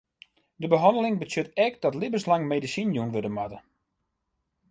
De behanneling betsjut ek dat libbenslang medisinen jûn wurde moatte.